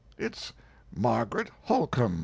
It's Margaret Holcomb."